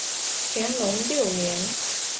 乾隆六年。